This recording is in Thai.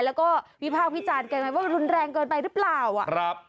แล้วก็วิภาพิจารณ์กันว่ารุนแรงเกินไปหรือเปล่าอะ